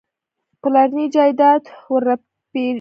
پلرنی جایداد ورپرېږدي.